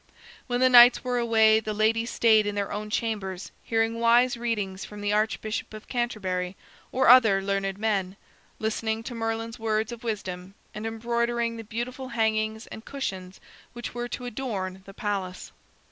When the knights were away the ladies stayed in their own chambers, hearing wise readings from the Archbishop of Canterbury, or other learned men, listening to Merlin's words of wisdom, and embroidering the beautiful hangings and cushions which were to adorn the palace.